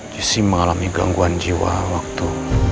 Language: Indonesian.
jessi mengalami gangguan jiwa waktu